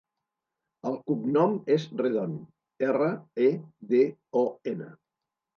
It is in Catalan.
El cognom és Redon: erra, e, de, o, ena.